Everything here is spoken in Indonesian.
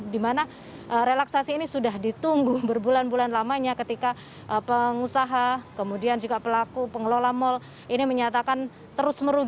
di mana relaksasi ini sudah ditunggu berbulan bulan lamanya ketika pengusaha kemudian juga pelaku pengelola mal ini menyatakan terus merugikan